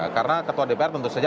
karena ketua dpr tentu saja